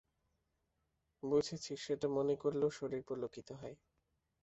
বুঝেছি, সেটা মনে করলেও শরীর পুলকিত হয়।